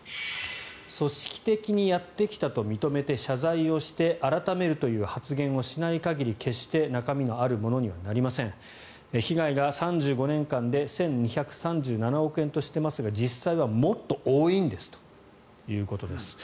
組織的にやってきたと認めて謝罪をして改めるという発言をしない限り決して中身のあるものにはなりません被害が、３５年間で１２３７億円としていますが実際はもっと多いんですということです。